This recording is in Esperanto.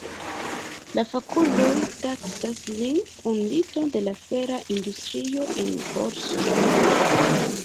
La fakuloj taksas lin fondinto de la fera industrio en Borsod.